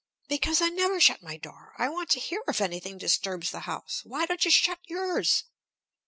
"Because I never shut my door. I want to hear if anything disturbs the house. Why don't you shut yours?"